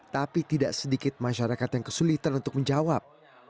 tapi tidak sedikit masyarakat yang kesulitan untuk menjawab